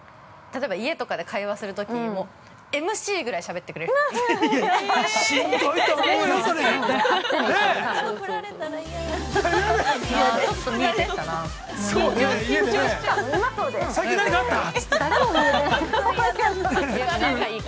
例えば家とかで会話するとき、ＭＣぐらいしゃべってくれる人がいい。